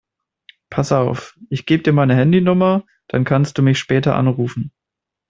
Pass auf, ich gebe dir meine Handynummer, dann kannst du mich später anrufen.